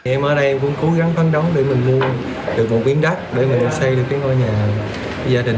em ở đây em cũng cố gắng phấn đống để mình mua được một miếng đất để mình xây được cái ngôi nhà gia đình